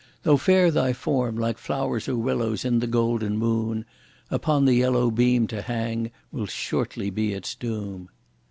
Though fair thy form like flowers or willows in the golden moon, Upon the yellow beam to hang will shortly be its doom.